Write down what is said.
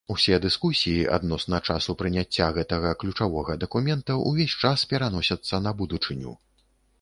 Усе дыскусіі адносна часу прыняцця гэтага ключавога дакумента ўвесь час пераносяцца на будучыню.